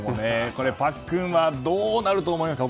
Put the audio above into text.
これ、パックンはどうなると思いますか。